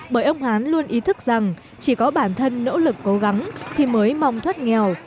bởi ông hán luôn ý thức rằng chỉ có bản thân nỗ lực cố gắng thì mới mong thoát nghèo